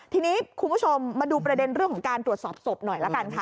ทีนี้คุณผู้ชมมาดูประเด็นเรื่องของการตรวจสอบศพหน่อยละกันค่ะ